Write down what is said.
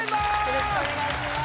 よろしくお願いします